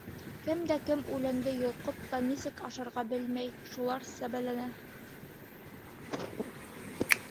— Кем дә кем, үләнде йолҡоп та, нисек ашарға белмәй — шулар сәбәләнә.